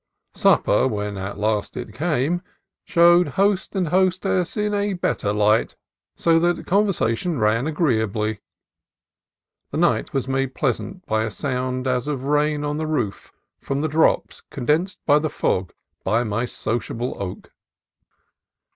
Supper, when at last it came, showed host and hostess in a better light, so that conversa tion ran agreeably. The night was made pleasant by a sound as of rain on the roof from the drops con densed from the fog by my sociable oak.